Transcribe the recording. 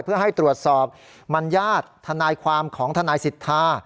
เพื่อให้ตรวจสอบมัญญาติทนายความของทนายสิทธา